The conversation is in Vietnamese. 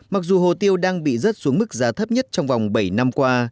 mặc dù hồ tiêu đang bị rớt xuống mức giá thấp nhất trong vòng bảy năm qua